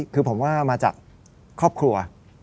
คือผมว่ามาจากครอบครัว